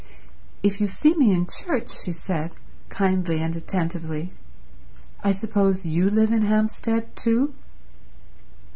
"If you see me in church," she said, kindly and attentively, "I suppose you live in Hampstead too?"